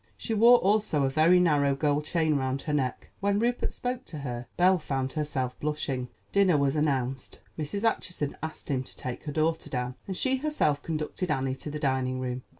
She wore also a very narrow gold chain round her neck. When Rupert spoke to her, Belle found herself blushing. Dinner was announced. Mrs. Acheson asked him to take her daughter down, and she herself conducted Annie to the dining room.